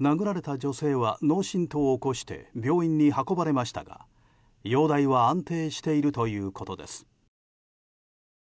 殴られた女性は脳しんとうを起こして病院に運ばれましたが容体は安定しているということです。